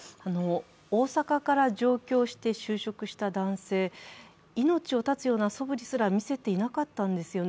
大阪から上京して就職した男性、命を絶つようなそぶりさえ見せていなかったんですよね。